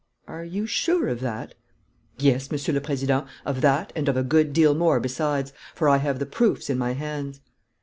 "Are you sure of that?" "Yes, Monsieur le Président, of that and of a good deal more besides, for I have the proofs in my hands."